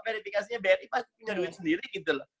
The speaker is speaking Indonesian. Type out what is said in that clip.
verifikasinya bri pasti punya duit sendiri gitu loh